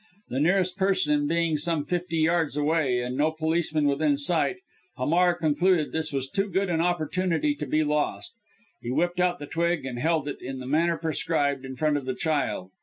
The nearest person being some fifty yards away, and no policeman within sight, Hamar concluded this was too good an opportunity to be lost. He whipped out the twig, and held it, in the manner prescribed, in front of the child.